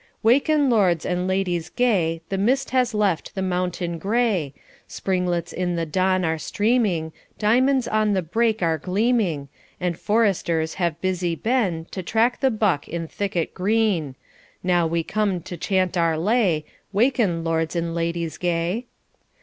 Waken, lords and ladies gay, The mist has left the mountain grey; Springlets in the dawn are streaming, Diamonds on the brake are gleaming, And foresters have busy been, To track the buck in thicket green; Now we come to chant our lay, 'Waken, lords and ladies gay.'